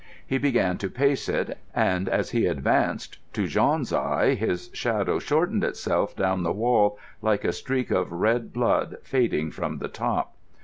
He began to pace it, and as he advanced, to Jean's eye his shadow shortened itself down the wall like a streak of red blood fading from the top.